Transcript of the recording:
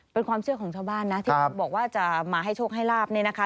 เป็นความเชื่อของชาวบ้านนะที่บอกว่าจะมาให้โชคให้ลาบเนี่ยนะคะ